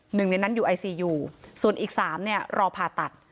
หนึ่งในนั้นอยู่ไอซียูส่วนอีก๓เนี่ยรอผ่าตัด